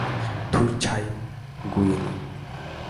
ধুর ছাই, গুয়েনি।